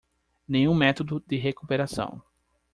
Nenhum método de recuperação